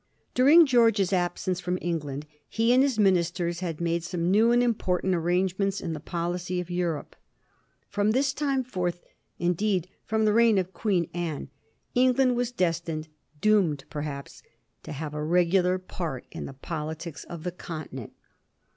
During George's absence firom England he and his ministers had made some new and important arrange ments in the policy of Europe. From this time forth — indeed, fi om the reign of Queen Anne — England was destined — doomed, perhaps — ^to have a regular part in the politics of the Continent.